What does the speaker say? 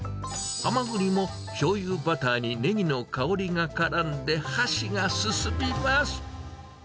ハマグリもしょうゆバターにネギの香りがからんで、箸が進みます。